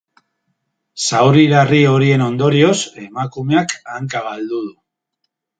Zauri larri horien ondorioz, emakumeak hanka galdu du.